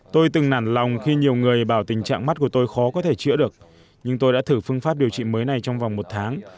tôi từng nản lòng khi nhiều người bảo tình trạng mắt của tôi khó có thể chữa được nhưng tôi đã thử phương pháp điều trị mới này trong vòng một tháng